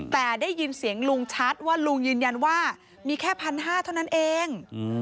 แต่ได้ยินเสียงลุงชัดว่าลุงยืนยันว่ามีแค่๑๕๐๐เท่านั้นเอง